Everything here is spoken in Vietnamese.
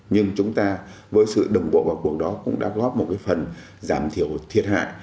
nhưng chúng ta với sự đồng bộ vào cuộc đó cũng đã góp một cái phần giảm thiểu thiệt hại